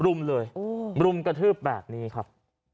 รุมเลยรุมกระทืบแบบนี้ครับ